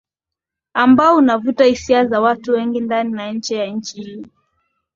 ambao unavuta hisia za watu wengi ndani na nje ya nchi hii